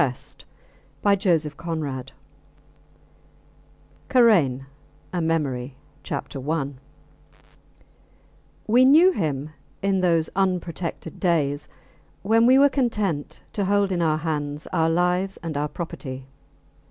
C. TALES OF UNREST KARAIN, A MEMORY I We knew him in those unprotected days when we were content to hold in our hands our lives and our property.